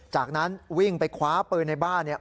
จากนั้นวิ่งไปคว้าปืนในบ้านเนี่ย